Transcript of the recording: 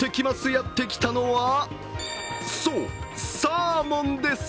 やってきたのは、そう、サーモンです。